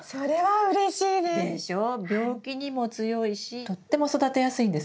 病気にも強いしとっても育てやすいんです。